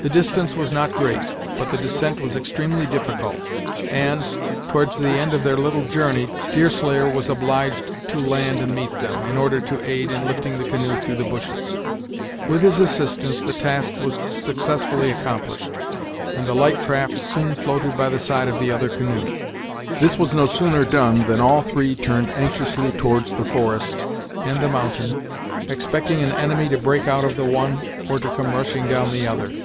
The distance was not great, but the descent was extremely difficult; and, towards the end of their little journey, Deerslayer was obliged to land and meet them, in order to aid in lifting the canoe through the bushes. With his assistance the task was successfully accomplished, and the light craft soon floated by the side of the other canoe. This was no sooner done, than all three turned anxiously towards the forest and the mountain, expecting an enemy to break out of the one, or to come rushing down the other.